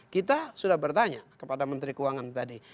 kita sudah bertanya kepada menteri keuangan tadi